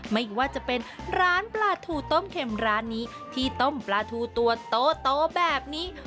ไม่ว่าจะเป็นร้านปลาทูต้มเข็มร้านนี้ที่ต้มปลาทูตัวโตแบบนี้